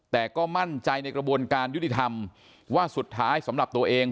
แต่ก็มั่นใจในกระบวนการยุติธรรมว่าสุดท้ายสำหรับตัวเอง